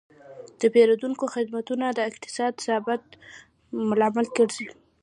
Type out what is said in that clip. د پیرودونکو خدمتونه د اقتصادي ثبات لامل ګرځي.